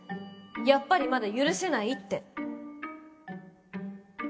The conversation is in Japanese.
やっぱりまだ許せないって。